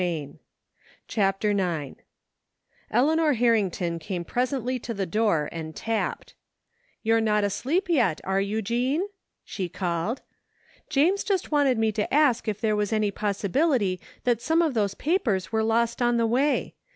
110 CHAPTER IX Eleanor Harrington came presently to the door and tapped. You're not asleep yet, are you, Jean? " she called. James just wanted me to ask if there was any pos sibility that some of those papers were lost on the way